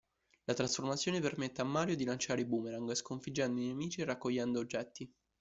La trasformazione permette a Mario di lanciare boomerang, sconfiggendo i nemici e raccogliendo oggetti.